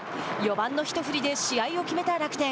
４番の一振りで試合を決めた楽天